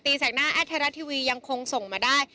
แสกหน้าแอดไทยรัฐทีวียังคงส่งมาได้